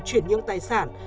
chuyển nhuận tài sản